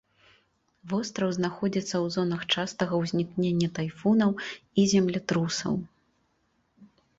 Востраў знаходзіцца ў зонах частага ўзнікнення тайфунаў і землятрусаў.